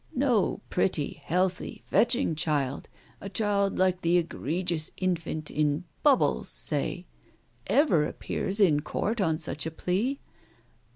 No pretty, healthy, fetching child — a child like the egregious infant in Bubbles, say, — ever appears in court on such a plea.